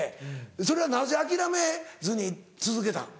それはなぜ諦めずに続けたん？